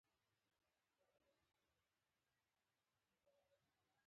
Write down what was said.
دا پوله د ستر سیند په اوږدو کې پرته ده.